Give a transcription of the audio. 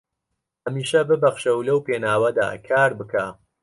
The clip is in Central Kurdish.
هەمیشە ببەخشە و لەو پێناوەدا کار بکە